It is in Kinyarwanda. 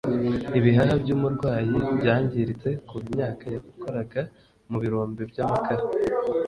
ibihaha byumurwayi byangiritse kuva imyaka yakoraga mu birombe byamakara